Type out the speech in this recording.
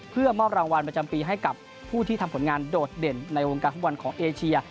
เพื่อมอบรางวัลประจำปีให้กับผู้ที่ทำผลงานโดดเด่นในวงการฟุตบอลของเอเชีย